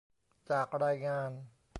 จากรายงาน